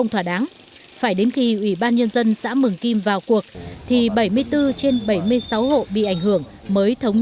như đập đất như bom